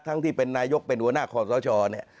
ที่เป็นนายกเป็นหัวหน้าคอสชเนี่ย